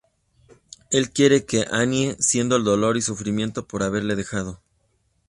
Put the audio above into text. Él quiere que Anya sienta el dolor y sufrimiento por haberlo dejado.